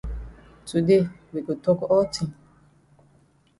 Today we go tok all tin.